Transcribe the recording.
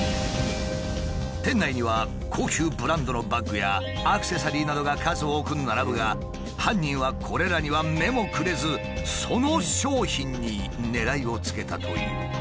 店内には高級ブランドのバッグやアクセサリーなどが数多く並ぶが犯人はこれらには目もくれずその商品に狙いをつけたという。